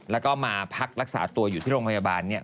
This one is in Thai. แล้วก็มาพักรักษาตัวอยู่ที่โรงพยาบาลเนี่ย